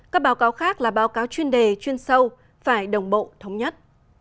các báo cáo khác là báo cáo chuyên đề chuyên sâu phải đồng bộ thống nhất